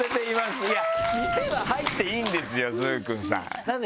いや店は入っていいんですよ崇勲さん。